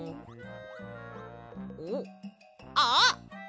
おっあっ！